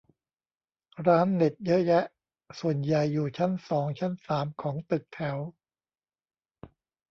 ร้านเน็ตเยอะแยะ ส่วนใหญ่อยู่ชั้นสองชั้นสามของตึกแถว